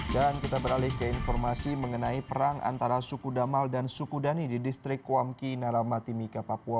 dan kita beralih ke informasi mengenai perang antara suku damal dan suku dani di distrik kuamki narama timika papua